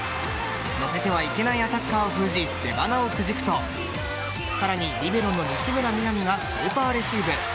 乗せてはいけないアタッカーを封じ出鼻をくじくとさらに、リベロの西村弥菜美がスーパーレシーブ。